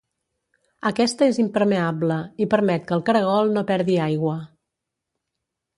Aquesta és impermeable i permet que el caragol no perdi aigua.